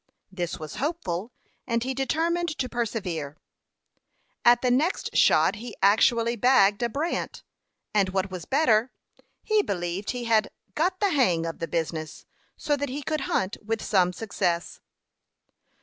This was hopeful, and he determined to persevere. At the next shot he actually bagged a brant, and, what was better, he believed he had "got the hang" of the business, so that he could hunt with some success.